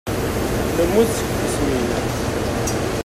Temmut seg tismin.